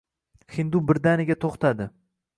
Hindu birdaniga toʻxtadi